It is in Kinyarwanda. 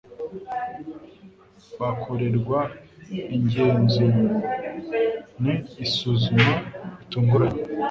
bakorerwa ingenzura n isuzuma bitunguranye